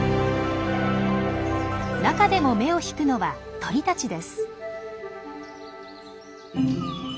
中でも目を引くのは鳥たちです。